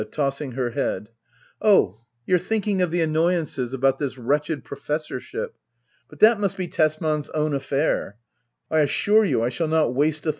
[Tossing her head,] Oh^ you're thinking of the annoyances about this wretched professorship ! But that must be Tesman's own affair. I assure you I shall not waste a thought upon it. Brack.